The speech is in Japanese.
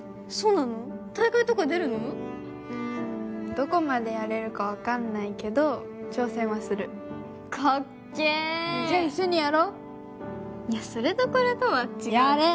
うんどこまでやれるか分かんないけど挑戦はするかっけーじゃあ一緒にやろいやそれとこれとは違うやれ！